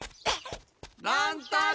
乱太郎！